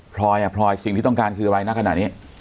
พลอยสิ่งที่ต้องการคืออะไรนะขณะนี้